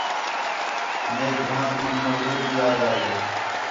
میک گھݨاں تُمن مغرور بھی آہدا ہِے